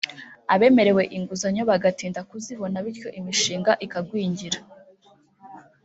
abemerewe inguzanyo bagatinda kuzibona bityo imishinga ikagwingira